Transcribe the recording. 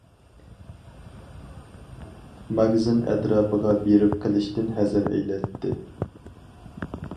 ماگىزىن ئەتراپىغا بېرىپ قېلىشتىن ھەزەر ئەيلەيتتى.